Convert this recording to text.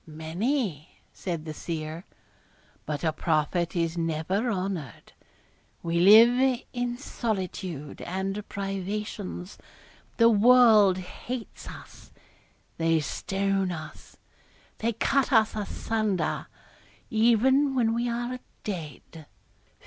'Many,' said the seer; 'but a prophet is never honoured. We live in solitude and privations the world hates us they stone us they cut us asunder, even when we are dead.